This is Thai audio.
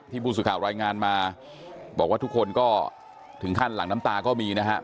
ผู้สื่อข่าวรายงานมาบอกว่าทุกคนก็ถึงขั้นหลังน้ำตาก็มีนะครับ